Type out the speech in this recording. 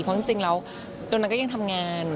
เพราะจริงแล้วตัวนั้นก็ยังทำงาน